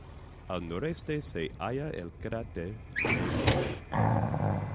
Al noreste se halla el cráter Le Monnier.